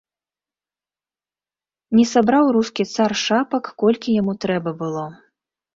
Не сабраў рускі цар шапак, колькі яму трэба было.